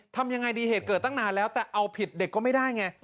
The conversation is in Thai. ทำยังไงดีเหตุเกิดตั้งนานแล้วแต่เอาผิดเด็กก็ไม่ได้ไง